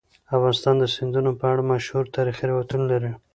افغانستان د سیندونه په اړه مشهور تاریخی روایتونه لري.